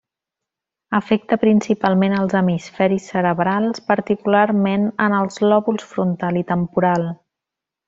Afecta principalment als hemisferis cerebrals, particularment en els lòbuls frontal i temporal.